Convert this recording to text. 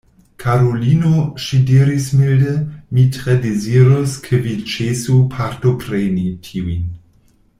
Karulino, ŝi diris milde, mi tre dezirus, ke vi ĉesu partopreni tiujn.